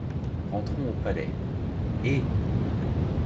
Rentrons au palais. — Hé!